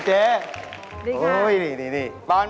จะเล่งจริงเลย